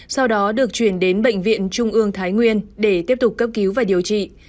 sau đó được chuyển đến bệnh viện trung ương thái nguyên để tiếp tục cấp cứu và điều trị